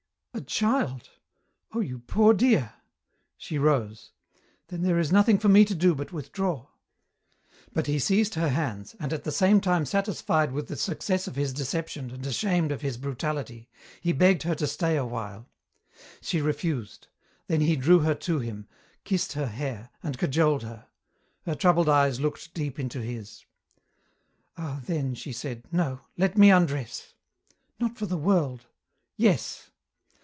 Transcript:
"A child! Oh, you poor dear." She rose. "Then there is nothing for me to do but withdraw." But he seized her hands, and, at the same time satisfied with the success of his deception and ashamed of his brutality, he begged her to stay awhile. She refused. Then he drew her to him, kissed her hair, and cajoled her. Her troubled eyes looked deep into his. "Ah, then!" she said. "No, let me undress." "Not for the world!" "Yes!"